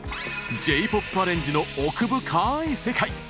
Ｊ−ＰＯＰアレンジの奥深い世界。